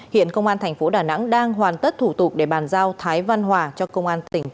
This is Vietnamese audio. hiện công an tp đà nẵng đang hoàn tất thủ tục để bàn giao thái văn hòa cho công an tp hcm điều tra xử lý